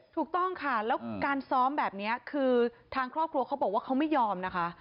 ถูกต้องค่ะแล้วการซ้อมแบบนี้คือทางครอบครัวเขาบอกว่าเขาไม่ยอมนะคะ